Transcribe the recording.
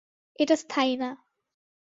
এটা স্থায়ী না।